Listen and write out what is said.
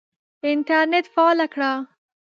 انټرنېټ فعاله کړه !